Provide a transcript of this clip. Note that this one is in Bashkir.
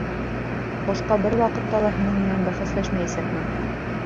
Башҡа бер ваҡытта ла һинең менән бәхәсләшмәйәсәкмен.